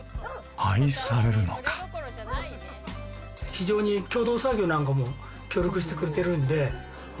非常に共同作業なんかも協力してくれてるんで。